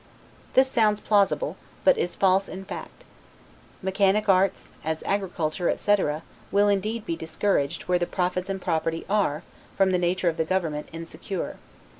This sounds plausible, but is false in fact. Mechanic arts, as agriculture, etc., will indeed be discouraged where the profits and property are, from the nature of the government, insecure.